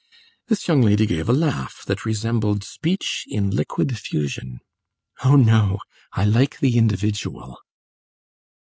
This young lady gave a laugh that resembled speech in liquid fusion. "Oh no; I like the individual!"